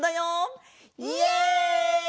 イエイ！